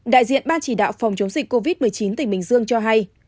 đại diện ban chỉ đạo phòng chống dịch covid một mươi chín tỉnh bình dương cho hay